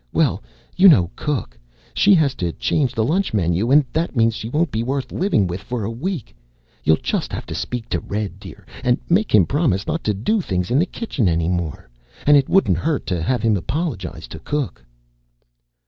Well, you know cook. She had to change the lunch menu and that means she won't be worth living with for a week. You'll just have to speak to Red, dear, and make him promise not to do things in the kitchen any more. And it wouldn't hurt to have him apologize to cook."